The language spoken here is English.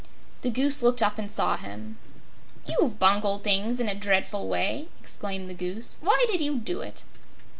The Goose looked up and saw him. "You've bungled things in a dreadful way!" exclaimed the Goose. "Why did you do it?"